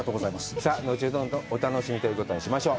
さあ、後ほどのお楽しみということにしましょう。